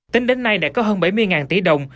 tính đến nay đã có hơn bảy mươi tỷ đồng